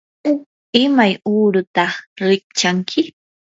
¿imay uurataq rikchanki?